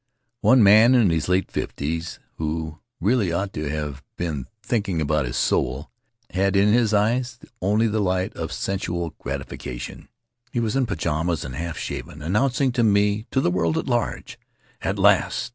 One man, in his late fifties, who really ought to have been thinking about his soul, had in his eyes only the light of sensual gratification. He was in pajamas and half shaven, announcing to me, to the world at large: "At last!